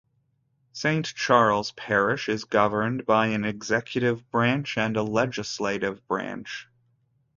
Saint Charles Parish is governed by an executive branch and legislative branch.